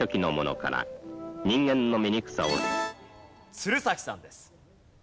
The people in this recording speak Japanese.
鶴崎さんです。